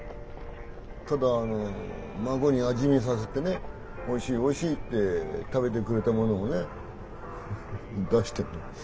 ただあの孫に味見させてね「おいしいおいしい」って食べてくれたものをね出してるんです。